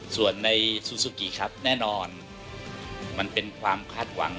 ส่วนในซูซูกิครับแน่นอนมันเป็นความคาดหวัง